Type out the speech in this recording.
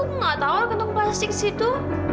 aku nggak tahu lah kenapa pasti ke situ